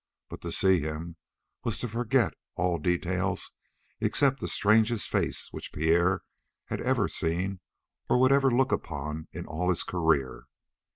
But to see him was to forget all details except the strangest face which Pierre had ever seen or would ever look upon in all his career.